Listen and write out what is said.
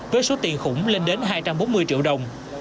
với số tiền khủng lên đến hai trăm bốn mươi triệu đồng